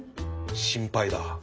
心配だ。